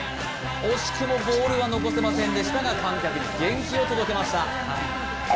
惜しくもボールは残せませんでしたが、観客に、元気を届けました。